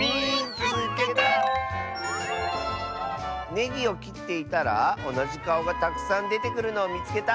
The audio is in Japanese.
「ネギをきっていたらおなじかおがたくさんでてくるのをみつけた！」。